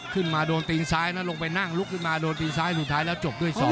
โดนตีนซ้ายแล้วลงไปนั่งลุกขึ้นมาโดนตีนซ้ายสุดท้ายแล้วจบด้วย๒